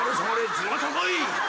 頭が高い。